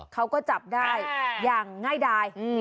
เขาก็จับได้อย่างง่ายดาย